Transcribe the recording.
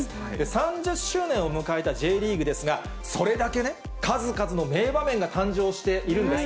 ３０周年を迎えたＪリーグですが、それだけ数々の名場面が誕生しているんです。